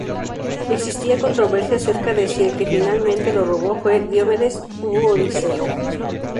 Existía controversia acerca de si el que finalmente lo robó fue Diomedes u Odiseo.